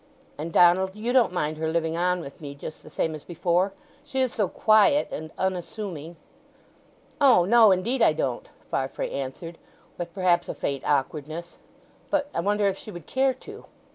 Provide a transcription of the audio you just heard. And, Donald, you don't mind her living on with me just the same as before? She is so quiet and unassuming." "O no, indeed I don't," Farfrae answered with, perhaps, a faint awkwardness. "But I wonder if she would care to?"